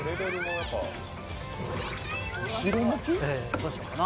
どうしようかな。